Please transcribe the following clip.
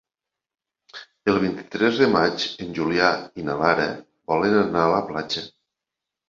El vint-i-tres de maig en Julià i na Lara volen anar a la platja.